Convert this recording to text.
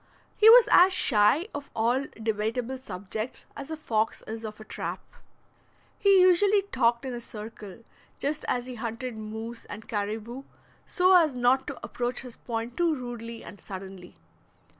He was as shy of all debatable subjects as a fox is of a trap. He usually talked in a circle, just as he hunted moose and caribou, so as not to approach his point too rudely and suddenly.